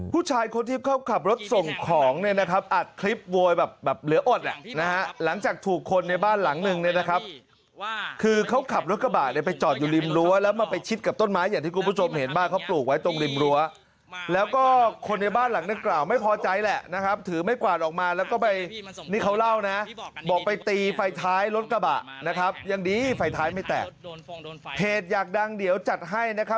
ผู้ชายคนที่เข้ากับรถส่งของนะครับอัดคลิปโวยแบบเหลืออดหลังจากถูกคนในบ้านหลังนึงนะครับคือเขาขับรถกระบะไปจอดอยู่ริมรั้วแล้วมาไปชิดกับต้นไม้อย่างที่คุณผู้ชมเห็นบ้างเขาปลูกไว้ตรงริมรั้วแล้วก็คนในบ้านหลังนั้นกล่าวไม่พอใจแหละนะครับถือไม่กวาดออกมาแล้วก็ไปนี่เขาเล่านะบอกไปตีไฟท้ายรถก